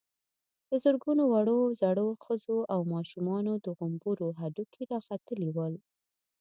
د زرګونو وړو_ زړو، ښځو او ماشومانو د غومبرو هډوکي را ختلي ول.